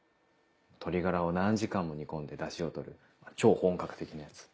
鶏ガラを何時間も煮込んでダシを取る超本格的なやつ。